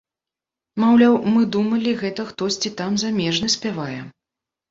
Маўляў, мы думалі, гэта хтосьці там замежны спявае.